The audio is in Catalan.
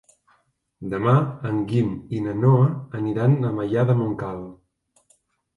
Demà en Guim i na Noa aniran a Maià de Montcal.